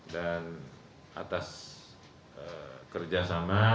dan atas kerjasama